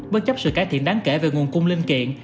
bất chấp sự cải thiện đáng kể về nguồn cung linh kiện